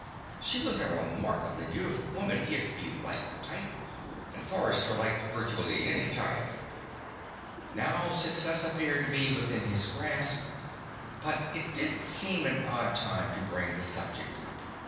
She was a remarkably beautiful woman, if you liked the type, and Forrester liked virtually any type. Now, success appeared to be within his grasp. But it did seem an odd time to bring the subject up.